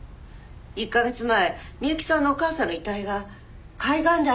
１カ月前美雪さんのお母さんの遺体が海岸で上がったそうです。